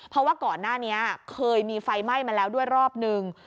เพราะว่าก่อนหน้านี้เคยมีไฟไหม้มาแล้วด้วยรอบนึง